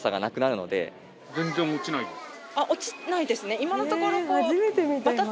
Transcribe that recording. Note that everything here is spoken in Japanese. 今のところこう。